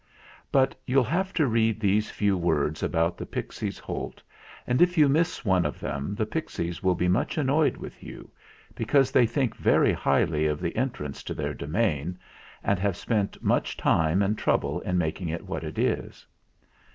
But you'll have to read these few words about the Pixies' Holt, and if you miss one of them the pixies will be much annoyed with you, because they think very highly of the entrance to their domain, and have spent much time and trouble in making it what it is.